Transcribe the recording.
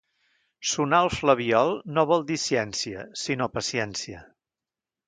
Sonar el flabiol no vol dir ciència, sinó paciència.